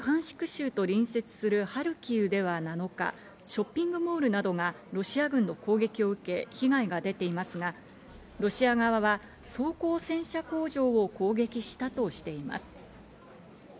州と隣接するハルキウでは７日、ショッピングモールなどがロシア軍の攻撃を受け、被害が出ていますが、ロシア側は装甲戦車工場を攻撃したとしています。